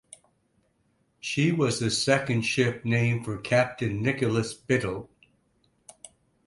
She was the second ship named for Captain Nicholas Biddle.